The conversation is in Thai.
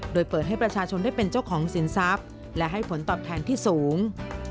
โดยเปิดให้ประชาชนได้เป็นเจ้าของสินทรัพย์และให้ผลตอบแทนที่สูง